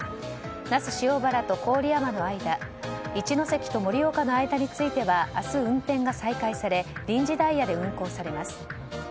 那須塩原と郡山の間一ノ関と盛岡の間については明日、運転が再開され臨時ダイヤで運行されます。